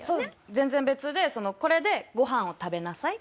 全然別で「これでごはんを食べなさい」とか。